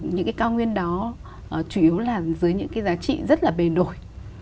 những cái cao nguyên đó chủ yếu là dưới những cái giá trị rất là bề nổi